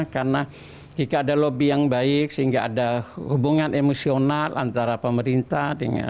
karena jika ada lobby yang baik sehingga ada hubungan emosional antara pemerintah